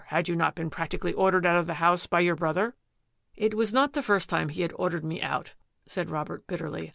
Had you not been practically ordered out of the house by your brother?" " It was not the first time he had ordered me out," said Robert bitterly.